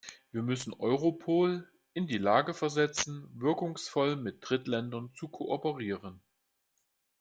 Wir müssen Europol in die Lage versetzen, wirkungsvoll mit Drittländern zu kooperieren.